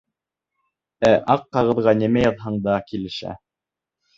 Ә аҡ ҡағыҙға нимә яҙһаң да килешә.